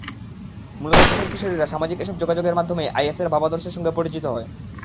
মূলত কিশোর-কিশোরীরা সামাজিক এসব যোগাযোগের মাধ্যমেই আইএসের ভাবাদর্শের সঙ্গে পরিচিত হয়।